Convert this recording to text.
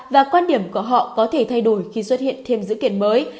và quan điểm của họ có thể thay đổi khi xuất hiện thêm dữ kiện mới